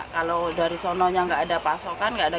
kalau dari sononya nggak ada pasokan nggak ada